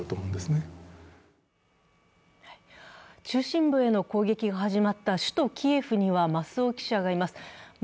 中心部への攻撃が始まった首都キエフには増尾記者がいます。